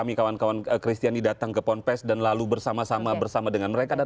kami kawan kawan kristiani datang ke ponpes dan lalu bersama sama bersama dengan mereka